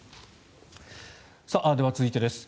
では、続いてです。